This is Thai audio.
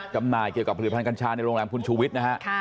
จำหน่ายเกี่ยวกับผลิตภัณกัญชาในโรงแรมคุณชูวิทย์นะฮะ